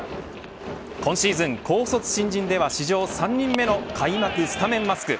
今シーズン高卒新人では史上３人目の開幕スタメンマスク。